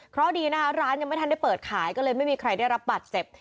เพราะดีนะคะร้านยังไม่ทันได้เปิดขายก็เลยไม่มีใครได้รับบัตรเจ็บ